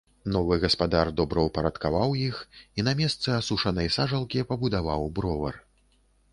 Новы гаспадар добраўпарадкаваў іх і на месцы асушанай сажалкі пабудаваў бровар.